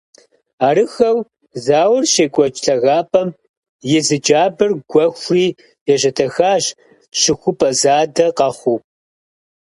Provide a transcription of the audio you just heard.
Арыххэу зауэр щекӏуэкӏ лъагапӏэм и зы джабэр гуэхури ещэтэхащ, щыхупӏэ задэ къэхъуу.